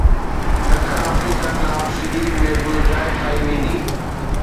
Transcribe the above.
ڏکڻ آفريڪا خلاف سيريز ۾ به جاءِ ٺاهي ويندي